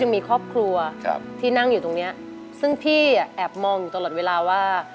มีครอบครัวที่นั่งอยู่ตรงเนี้ยซึ่งพี่แอบมองอยู่ตลอดเวลาว่า